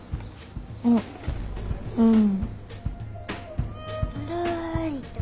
あっうん。